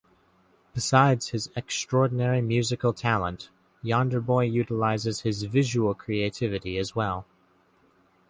Besides his extraordinary musical talent Yonderboi utilizes his visual creativity as well.